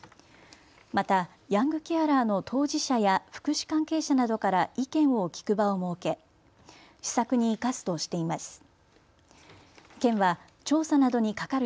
また、ヤングケアラーの当事者や福祉関係者などから意見を聞く場を設け、施策に生かすとしています。